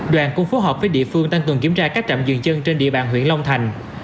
đoàn cũng phối hợp với địa phương tăng cường kiểm tra các trạm dừng chân trên địa bàn huyện long thành